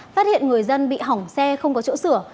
phát hiện người dân bị hỏng xe không có chỗ sửa